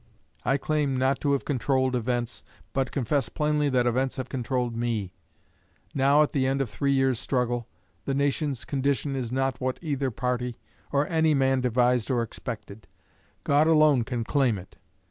I claim not to have controlled events, but confess plainly that events have controlled me. Now, at the end of three years' struggle, the nation's condition is not what either party or any man devised or expected. God alone can claim it.